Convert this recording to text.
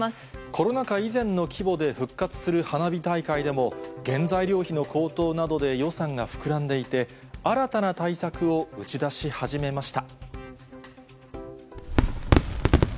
コロナ禍以前の規模で復活する花火大会でも、原材料費の高騰などで予算が膨らんでいて、新たな対策を打ち出し始めました。